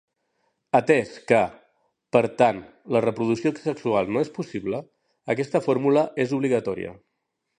Atès que, per tant, la reproducció sexual ja no és possible, aquesta fórmula és obligatòria.